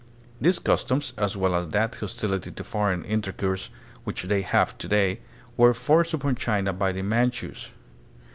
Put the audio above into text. These customs, as well as that hostility to foreign intercourse which they have to day, were forced upon China by the Manchus.